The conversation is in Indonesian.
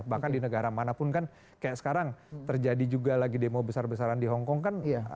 bahkan di negara manapun kan kayak sekarang terjadi juga lagi demo besar besaran di hongkong kan